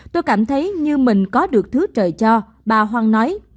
tôi cảm thấy như mình có được thứ trời cho bà hoang nói